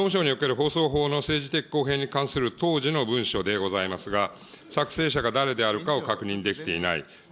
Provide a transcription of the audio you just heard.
総務省における放送法の政治的公平に対する当時の文書でございますが、作成者が誰であるかを確認できていない。